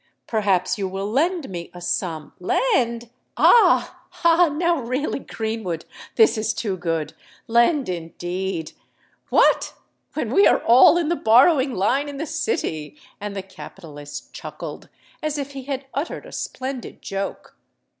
"Perhaps you will lend me a sum——" "Lend! Ah! ha! Now, really, Greenwood, this is too good! Lend, indeed! What—when we are all in the borrowing line in the City!"—and the capitalist chuckled, as if he had uttered a splendid joke.